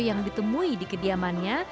yang ditemui di kediamannya